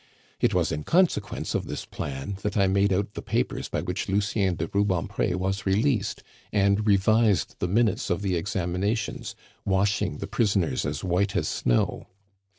It was in consequence of this plan that I made out the papers by which Lucien de Rubempre was released, and revised the minutes of the examinations, washing the prisoners as white as snow.